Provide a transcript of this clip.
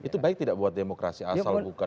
menurut saya tidak buat demokrasi asal bukan